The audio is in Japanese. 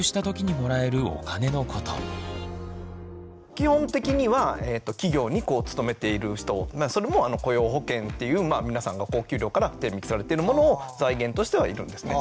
基本的には企業に勤めている人それも雇用保険っていう皆さんのお給料から天引きされてるものを財源としてはいるんですね。